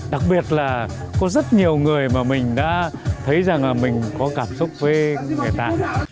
đặc biệt là có rất nhiều người mà mình đã thấy rằng là mình có cảm xúc với người ta